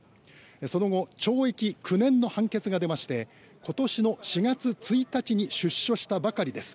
その後懲役９年の判決が出まして今年の４月１日に出所したばかりです。